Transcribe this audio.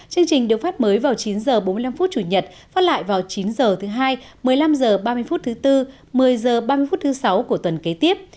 chương trình được phát mới vào chín h bốn mươi năm chủ nhật phát lại vào chín h thứ hai một mươi năm h ba mươi phút thứ bốn một mươi h ba mươi phút thứ sáu của tuần kế tiếp